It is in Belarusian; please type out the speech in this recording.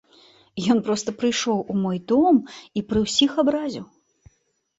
Ён проста прыйшоў у мой дом і пры ўсіх абразіў.